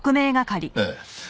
ええ。